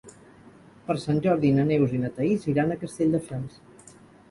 Per Sant Jordi na Neus i na Thaís iran a Castelldefels.